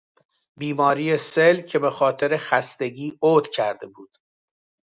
بیماری سل که به خاطر خستگی عود کرده بود